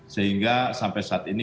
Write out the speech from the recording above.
sehingga sampai saat ini